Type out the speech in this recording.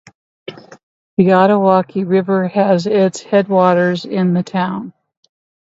The Ottauquechee River has its headwaters in the town.